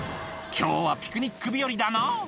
「今日はピクニック日和だな」